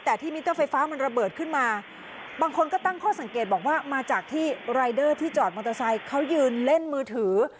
แต่ที่มิเตอร์ไฟฟ้ามันระเบิดขึ้นมาบางคนก็ตั้งข้อสังเกตบอกว่ามาจากที่รายเดอร์ที่จอดมอเตอร์ไซค์เขายืนเล่นมือถือ